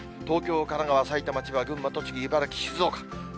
東京、神奈川、埼玉、千葉、群馬、栃木、茨城、静岡。